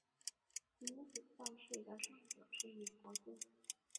女子赛事的胜者是美国队。